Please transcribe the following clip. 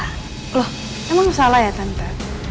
loh emang salah ya tante